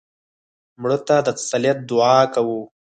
مړه ته د تسلیت دعا کوو